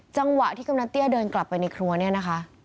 จังหวะที่กำนันเตี้ยเดินกลับไปในครัวเนี่ยนะคะ